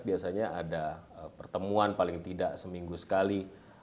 biasanya ada pertemuan paling tidak seminggu sekali